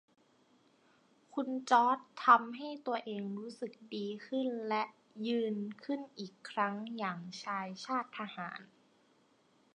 คุณจอร์จทำให้ตัวเองรู้สึกดีขึ้นและยืนขึิ้นอีกครั้งอย่างชายชาติทหาร